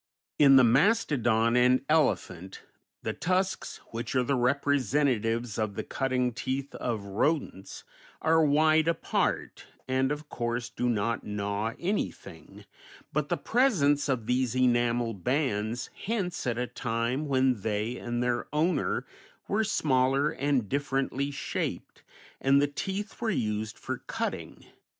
In the mastodon and elephant the tusks, which are the representatives of the cutting teeth of rodents, are wide apart, and of course do not gnaw anything, but the presence of these enamel bands hints at a time when they and their owner were smaller and differently shaped, and the teeth were used for cutting.